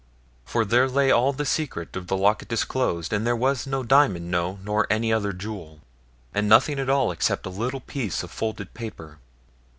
For there lay all the secret of the locket disclosed, and there was no diamond, no, nor any other jewel, and nothing at all except a little piece of folded paper.